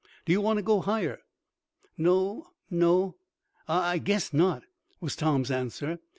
"Do you want to go higher?" "No no I I guess not," was Tom's answer.